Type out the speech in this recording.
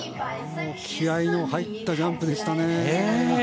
気合の入ったジャンプでしたね。